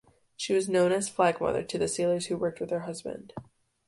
She was known as "Flag Mother" to the sailors who worked with her husband.